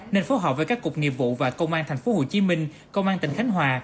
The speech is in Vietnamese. nên phối hợp với các cục nghiệp vụ và công an tp hcm công an tỉnh khánh hòa